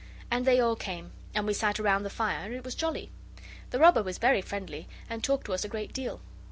And they all came, and we sat round the fire, and it was jolly. The robber was very friendly, and talked to us a great deal.